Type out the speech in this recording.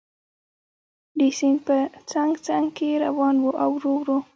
د سیند په څنګ څنګ کې روان و او ورو ورو.